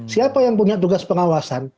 siapa yang punya tugas pengawasan